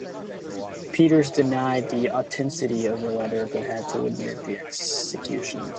Peters denied the authenticity of the letter but had to admit the executions.